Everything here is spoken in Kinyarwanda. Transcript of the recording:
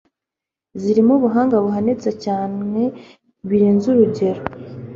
zirimo ubuhanga buhanitse cyane birenzurugero